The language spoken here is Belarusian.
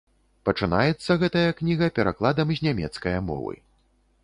Пачынаецца гэтая кніга перакладам з нямецкае мовы.